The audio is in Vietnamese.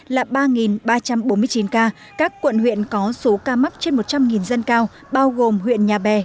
là ba ba trăm bốn mươi chín ca các quận huyện có số ca mắc trên một trăm linh dân cao bao gồm huyện nhà bè